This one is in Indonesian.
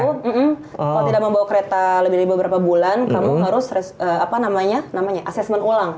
kalau tidak mau bawa kereta lebih dari beberapa bulan kamu harus apa namanya assessment ulang